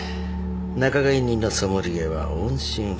仲買人のソムリエは音信不通だ。